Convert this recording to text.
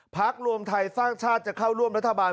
พักรวมไทยสร้างชาติจะเข้าร่วมรัฐบาล